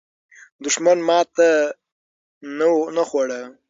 دښمن ماته نه خوړه.